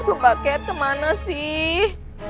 aduh mbak catherine mana sih